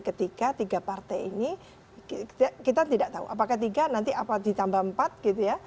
ketika tiga partai ini kita tidak tahu apakah tiga nanti apa ditambah empat gitu ya